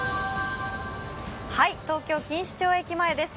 東京・錦糸町駅前です。